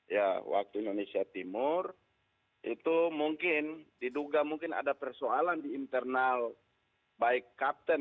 ya waktu indonesia timur itu mungkin diduga mungkin ada persoalan di internal baik kapten